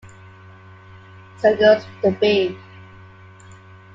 Sigel's The B.